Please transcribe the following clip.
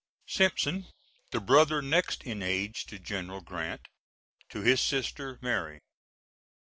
[Simpson: the brother next in age to General Grant. To his sister Mary.